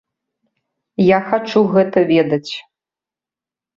Я хачу гэта ведаць.